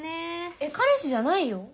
えっ彼氏じゃないよ。